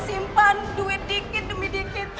simpan duit dikit demi dikit